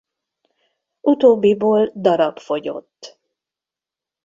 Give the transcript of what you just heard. Utóbbiból darab fogyott.